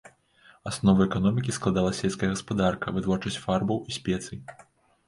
Аснову эканомікі складала сельская гаспадарка, вытворчасць фарбаў і спецый.